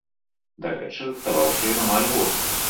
Дарэчы, рыхтаваўся ён амаль год.